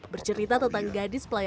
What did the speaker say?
bercerita tentang gadis pelajaran